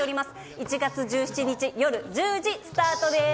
１月１７日夜１０時スタートです。